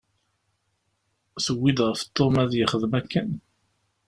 Tewwi-d ɣef Tom ad yexdem akken?